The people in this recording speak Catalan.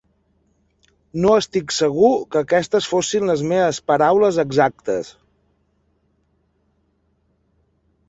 No estic segur que aquestes fossin les meves paraules exactes.